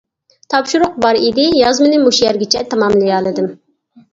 تاپشۇرۇق بار ئىدى. يازمىنى مۇشۇ يەرگىچە تاماملىيالىدىم.